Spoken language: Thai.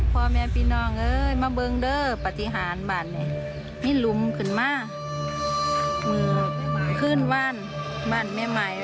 บ้านแม่มายว่ะซันเอานะบ้านแม่มาย